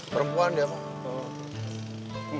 perempuan dia pak